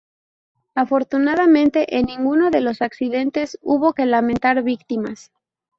Afortunadamente en ninguno de los accidentes hubo que lamentar víctimas.